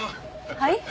はい？